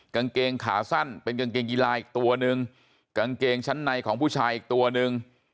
กางเกงขาสั้นเป็นกางเกงกีฬาอีกตัวนึงกางเกงชั้นในของผู้ชายอีกตัวนึง